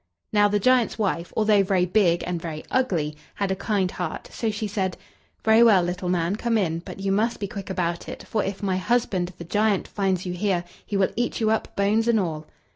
Now, the giant's wife, although very big and very ugly, had a kind heart, so she said: "Very well, little man, come in; but you must be quick about it, for if my husband, the giant, finds you here, he will eat you up, bones and all."